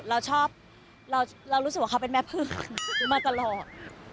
เรารู้สึกว่าเป็นแม่พึ่งมาตลอด